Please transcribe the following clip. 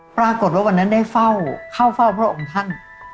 ปรากฏว่าวันนั้นได้เฝ้าเข้าเฝ้าพระองค์ท่าน